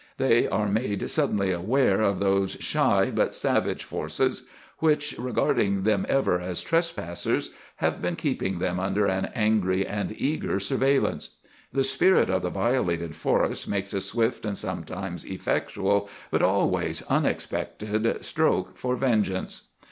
They are made suddenly aware of those shy but savage forces which, regarding them ever as trespassers, have been keeping them under an angry and eager surveillance. The spirit of the violated forest makes a swift and sometimes effectual, but always unexpected, stroke for vengeance.